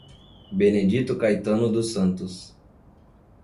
Benedito Caetano dos Santos